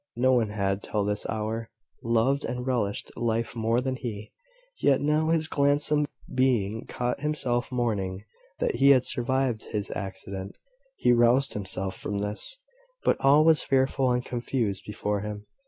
No one had, till this hour, loved and relished life more than he; yet now this gladsome being caught himself mourning that he had survived his accident. He roused himself from this; but all was fearful and confused before him.